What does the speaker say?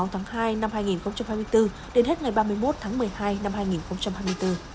thông tư có hiệu lịch từ ngày sáu tháng hai năm hai nghìn hai mươi bốn đến hết ngày ba mươi một tháng một mươi hai năm hai nghìn hai mươi bốn